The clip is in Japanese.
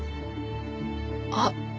あっ。